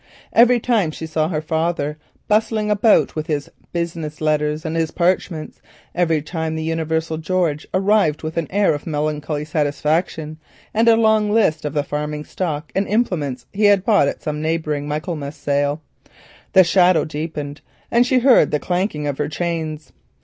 Every time she saw her father bustling about with his business matters and his parchments, every time the universal George arrived with an air of melancholy satisfaction and a long list of the farming stock and implements he had bought at some neighbouring Michaelmas sale, the shadow deepened, and she heard the clanking of her chains.